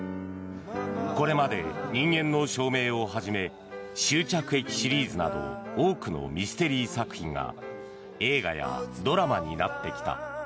これまで「人間の証明」をはじめ「終着駅シリーズ」など多くのミステリー作品が映画やドラマになってきた。